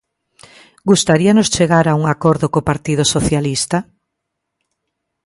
¿Gustaríanos chegar a un acordo co Partido Socialista?